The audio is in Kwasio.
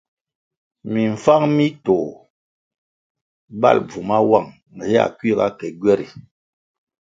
Mimfáng mi tôh bal bvu mawuang héa kuiga ke gyweri.